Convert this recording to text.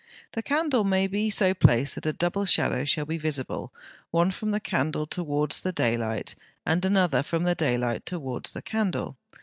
The candle may be so placed that a double shadow shall be visible, one from the candle towards the daylight, and another from the daylight towards the candle.